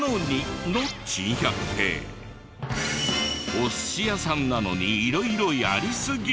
お寿司屋さんなのに色々やりすぎ！